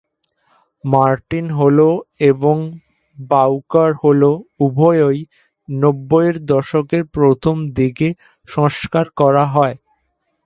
Martin Hall এবং Bowker Hall উভয়ই নববইয়ের দশকের প্রথম দিকে সংস্কার করা হয়।